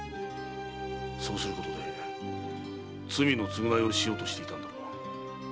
そうすることで罪の償いをしようとしていたんだろう。